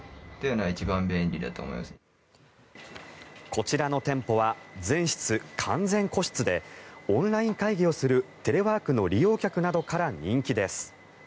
こちらの店舗は全室完全個室でオンライン会議をするテレワークの利用客などから人気です。